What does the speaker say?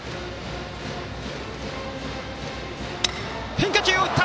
変化球を打った！